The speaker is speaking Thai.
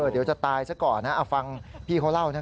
ถียวตัวถูกทิ้งลงไปในเหว